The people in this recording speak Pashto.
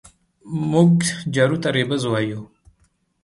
مونږ جارو ته رېبز يايو